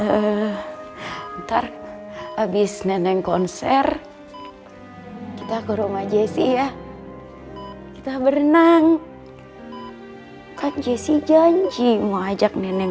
eh ntar habis nenek konser kita ke rumah jessy ya kita berenang kan jessy janji mau ajak nenek